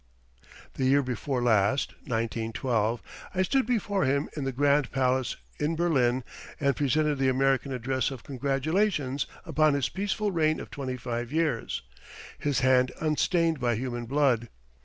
The year before last (1912) I stood before him in the grand palace in Berlin and presented the American address of congratulation upon his peaceful reign of twenty five years, his hand unstained by human blood.